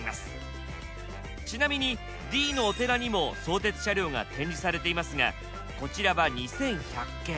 ちなみに「Ｄ」のお寺にも相鉄車両が展示されていますがこちらは２１００系。